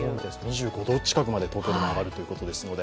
２５度近くまで東京でも上がるということですので。